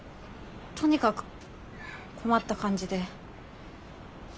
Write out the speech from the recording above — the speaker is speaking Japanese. とにかく困った感じで。